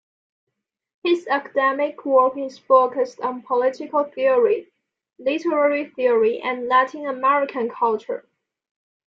His academic work is focused on political theory, literary theory and Latin-American culture.